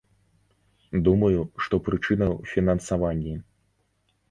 Думаю, што прычына ў фінансаванні.